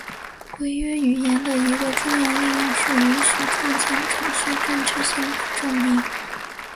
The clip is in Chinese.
规约语言的一个重要应用是允许创建程序正确性的证明。